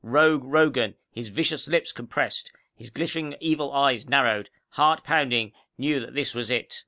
Rogue Rogan, his vicious lips compressed, his glittering evil eyes narrowed, heart pounding, knew that this was it.